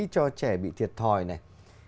cho trẻ bị thiệt thòi này